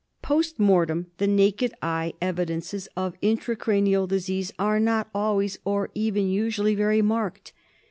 Post mortem the naked eye evidences of intracranial disease are not always, or even usually, very marked.